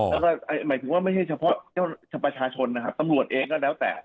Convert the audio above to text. แล้วก็หมายถึงว่าไม่ใช่เฉพาะเจ้าประชาชนนะครับตำรวจเองก็แล้วแต่